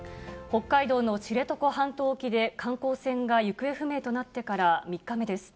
北海道の知床半島沖で、観光船が行方不明となってから３日目です。